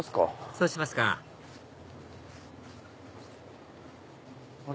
そうしますかあれ？